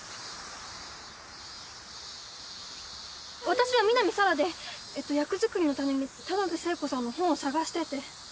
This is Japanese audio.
私は南沙良で役作りのために田辺聖子さんの本を探してて。